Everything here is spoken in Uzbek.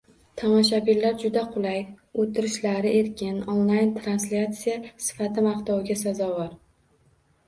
Tomoshabinlar juda qulay, o'tirishlari erkin, onlayn translyatsiya sifati maqtovga sazovor